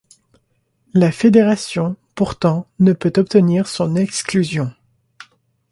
La Fédération, pourtant, ne peut obtenir son exclusion.